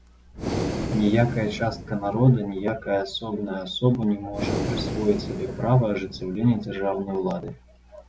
Ніякая частка народа, ніякая асобная асобу не можа прысвоіць сабе права ажыццяўлення дзяржаўнай улады.